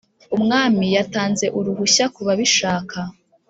Umwami yatanze uruhushya kubabishaka.